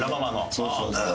そうそうそう。